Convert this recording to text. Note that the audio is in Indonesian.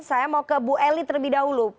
saya mau ke bu eli terlebih dahulu